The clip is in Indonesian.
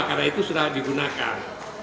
karena itu sudah digunakan